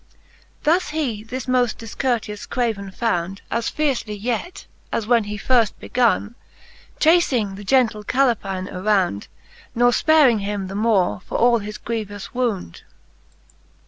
There he this moft difcourteous craven found, * As fiercely yet, as when he firft begonne, Chafing the gentle Caleplne around, Ne fparing him the more for all his grievous wound.